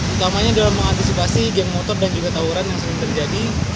utamanya dalam mengantisipasi geng motor dan juga tawuran yang sering terjadi